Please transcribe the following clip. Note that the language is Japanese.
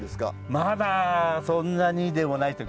まだそんなにでもないですよ。